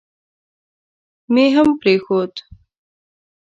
مې هم پرېښود.